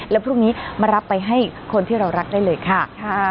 แล้วพรุ่งนี้มารับไปให้คนที่เรารักได้เลยค่ะ